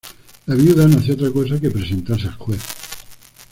La viuda no hacía otra cosa que presentarse al juez.